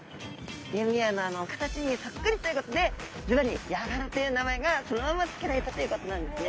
弓矢のあの形にそっくりということでずばりヤガラという名前がそのまま付けられたということなんですね。